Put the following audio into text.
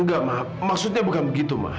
enggak ma maksudnya bukan begitu ma